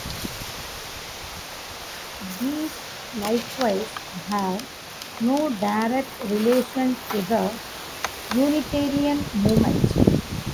These likewise have no direct relation to the Unitarian movement.